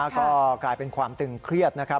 ก็กลายเป็นความตึงเครียดนะครับ